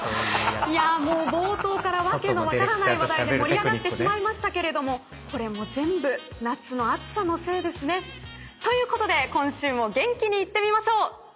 いや冒頭から訳の分からない話題で盛り上がってしまいましたけどもこれも全部夏の暑さのせいですね。ということで今週も元気にいってみましょう！